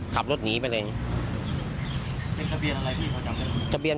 ภาพปใบโรแทน